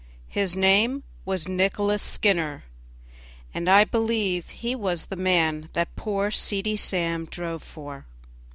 His name was Nicholas Skinner, and I believe he was the man that poor Seedy Sam drove for.